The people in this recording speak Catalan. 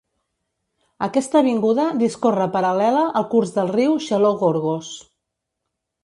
Aquesta avinguda discorre paral·lela al curs del riu Xaló-Gorgos.